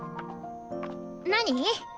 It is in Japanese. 何？